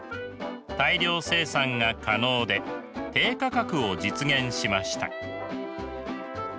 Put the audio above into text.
大量生産が可能で低価格を実現しました。